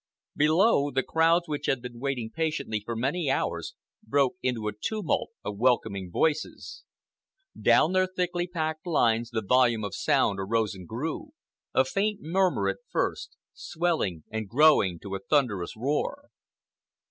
Below, the crowds which had been waiting patiently for many hours broke into a tumult of welcoming voices. Down their thickly packed lines the volume of sound arose and grew, a faint murmur at first, swelling and growing to a thunderous roar.